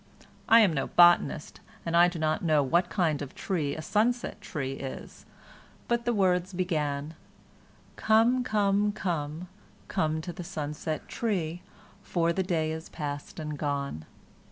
I am no botanist, and do not know what kind of tree a sunset tree is, but the words began, "Come, come, come; come to the sunset tree for the day is past and gone."